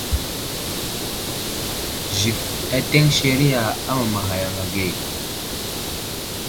Zik ateŋ seriya amamaghay yaŋ age.